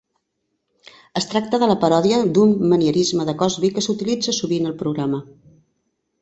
Es tracta de la paròdia d'un manierisme de Cosby que s'utilitza sovint al programa.